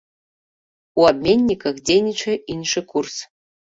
У абменніках дзейнічае іншы курс.